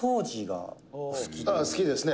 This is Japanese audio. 「好きですね。